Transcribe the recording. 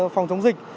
phòng chống dịch